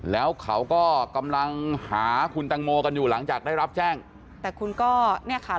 แล้วเขาก็กำลังหาคุณตังโมกันอยู่หลังจากได้รับแจ้งแต่คุณก็เนี่ยค่ะ